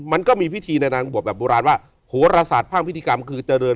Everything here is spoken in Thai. มันก็มีพิธีในนางบวชแบบโบราณว่าโหรศาสตร์ภาคพิธีกรรมคือเจริญ